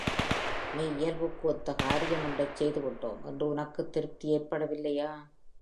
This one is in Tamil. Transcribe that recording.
மெய் இயல்புக்கு ஒத்த காரிய மொன்றைச் செய்துவிட்டோம் என்று உனக்குத் திருப்தி ஏற்படவில்லையா?